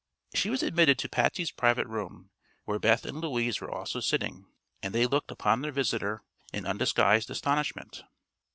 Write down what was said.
She was admitted to Patsy's private room, where Beth and Louise were also sitting, and they looked upon their visitor in undisguised astonishment.